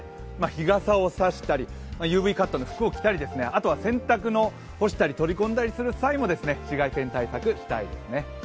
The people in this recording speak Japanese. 日傘を差したりＵＶカットの服を着たりあとは洗濯を干したり取り込んだりする際も紫外線対策したいですね。